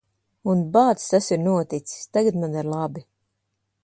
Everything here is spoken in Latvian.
Un, bāc, tas ir noticis. Tagad man ir labi.